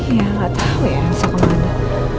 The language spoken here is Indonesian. iya nggak tahu ya nggak usah kemana